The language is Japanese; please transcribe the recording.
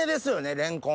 レンコン！